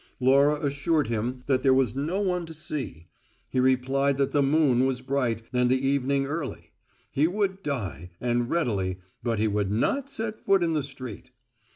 Laura assured him that there was no one to see; he replied that the moon was bright and the evening early; he would die, and readily, but he would not set foot in the street.